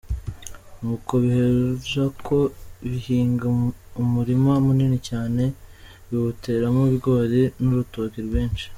Nuko biherako bihinga umurima munini cyane, biwuteramo ibigori n'urutoke rwinshi.